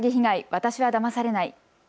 私はだまされない。